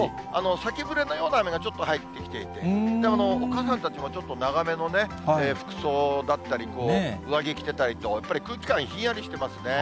先ぶれのような雨がちょっと入ってきていて、お母さんたちもちょっと長めのね、服装だったり、上着着てたりと、やっぱり空気感、ひんやりしてますね。